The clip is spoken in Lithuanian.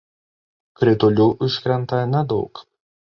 Kritulių iškrenta nedaug.